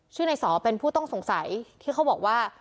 ชื่อในสอเป็นผู้ต้องสงสัยที่เขาบอกว่า